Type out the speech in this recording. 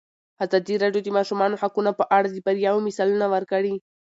ازادي راډیو د د ماشومانو حقونه په اړه د بریاوو مثالونه ورکړي.